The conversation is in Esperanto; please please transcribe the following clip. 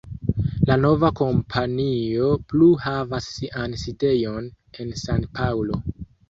La nova kompanio plu havas sian sidejon en San-Paŭlo.